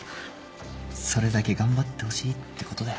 それだけ頑張ってほしいってことだよ。